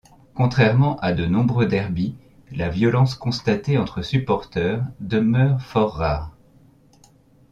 Contrairement à de nombreux derbys, la violence constatée entre supporteurs demeure fort rare.